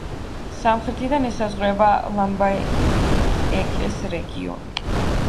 სამხრეთიდან ესაზღვრება ლამბაიეკეს რეგიონი.